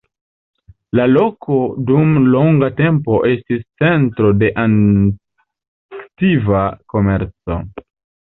La loko dum longa tempo estis centro de aktiva komerco.